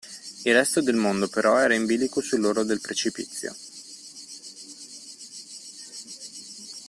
Il resto del mondo, però, era in bilico sull’orlo del precipizio.